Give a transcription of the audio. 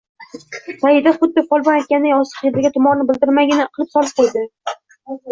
Saida xuddi folbin aytganday yostiq jildiga tumorni bildirmaydigan qilib solib qo`ydi